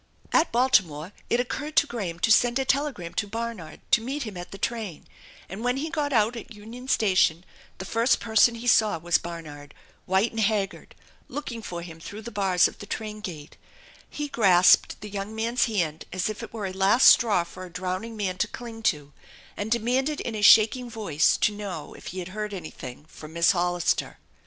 At Baltimore it occurred to Graham to send a telegram to Barnard to meet him at the train, and when he got out at Union Station the first person he saw was Barnard, white and haggard, looking for him through the bars of the train gate, He grasped the young man's hand as if it were a last straw for a drowning man to cling to, and demanded in a shaking voice to know if he had heard anything from Miss Hollister.